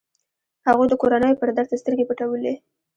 هغوی د کورنيو پر درد سترګې پټولې.